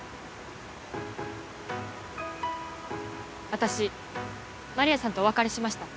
私丸谷さんとお別れしました。